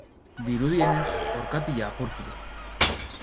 Dirudienez orkatila apurtu du.